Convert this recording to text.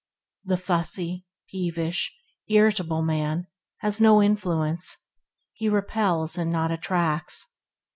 The fussy, peevish, irritable man has no influence. He repels, and not attracts.